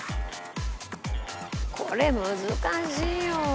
これ難しいよ。